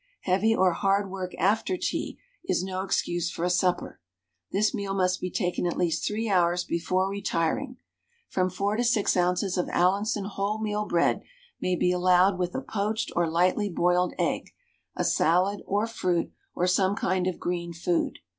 Heavy or hard work after tea is no excuse for a supper. This meal must be taken at least three hours before retiring. From 4 to 6 oz. of Allinson wholemeal bread may be allowed with a poached or lightly boiled egg, a salad, or fruit, or some kind of green food.